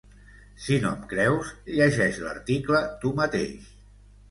Si no em creus, llegeix l'article tu mateix.